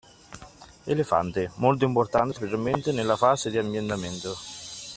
Elefante: molto importante, specialmente nella fase di ambientamento